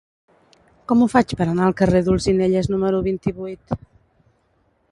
Com ho faig per anar al carrer d'Olzinelles número vint-i-vuit?